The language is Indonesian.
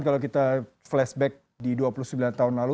kalau kita flashback di dua puluh sembilan tahun lalu